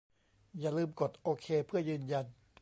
อย่าลืมกดโอเคเพื่อยืนยัน